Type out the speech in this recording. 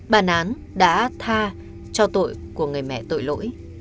bản án đã tha cho tội của người mẹ tội lỗi